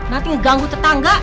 nanti ngeganggu tetangga